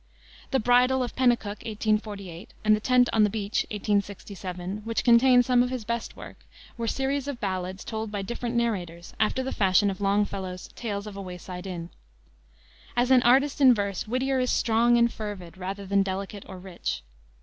The Bridal of Pennacook, 1848, and the Tent on the Beach, 1867, which contain some of his best work, were series of ballads told by different narrators, after the fashion of Longfellow's Tales of a Wayside Inn. As an artist in verse Whittier is strong and fervid, rather than delicate or rich.